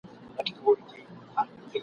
له سینې څخه یې ویني بهېدلې !.